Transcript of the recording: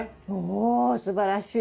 おすばらしい。